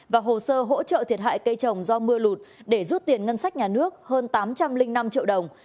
và hồ sơ hỗ trợ thiệt hại cây trồng do mưa lụt để rút tiền ngân sách nhà nước hơn tám trăm linh năm triệu đồng